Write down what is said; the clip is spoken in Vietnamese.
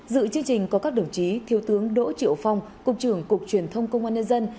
dự chương trình có các đồng chí thiếu tướng đỗ triệu phong cục trưởng cục truyền thông công an nhân dân